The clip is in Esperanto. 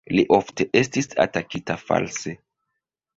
Li ofte estis atakita false.